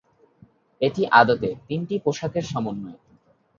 এটি আদতে তিনটি পোশাকের সমন্বয়।